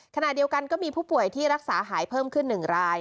ขณะเดียวกันก็มีผู้ป่วยที่รักษาหายเพิ่มขึ้น๑ราย